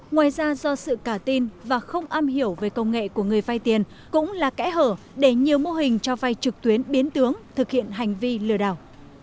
ngoài ra do sự cả tin và không am hiểu về công nghệ của người vay tiền cũng là kẽ hở để nhiều mô hình cho vay trực tuyến biến tướng thực hiện hành vi lừa đảo